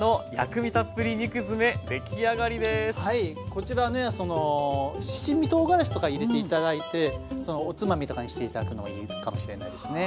こちらねその七味とうがらしとか入れて頂いておつまみとかにして頂くのもいいかもしれないですね。